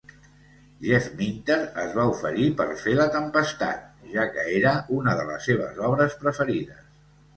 Jeff Minter es va oferir per fer "La Tempestat", ja que era una de les seves obres preferides.